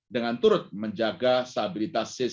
dengan turut menjaga stabilitas sistem